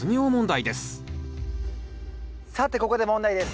さてここで問題です。